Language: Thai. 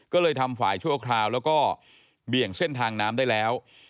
ก็เลยทำฝ่ายชั่วคราวแล้วก็เบี่ยงเส้นทางน้ำได้แล้ว